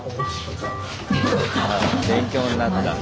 勉強になった。